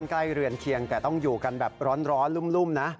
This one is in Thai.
ใกล้เรือนเคียงแต่ต้องอยู่กันแบบร้อนรุ่มนะ